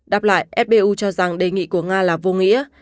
đáp lại fbu cho rằng đề nghị của nga là vô nghĩa